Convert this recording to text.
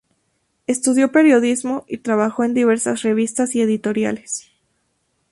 Estudió periodismo y trabajó en diversas revistas y editoriales.